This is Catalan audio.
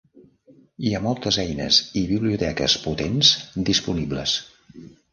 Hi ha moltes eines i biblioteques potents disponibles.